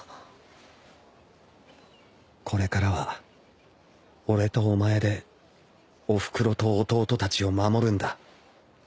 これからは俺とお前でおふくろと弟たちを守るんだ。